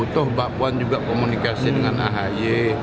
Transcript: toh mbak puan juga komunikasi dengan ahy